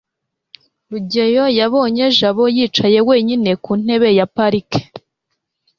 rugeyo yabonye jabo yicaye wenyine ku ntebe ya parike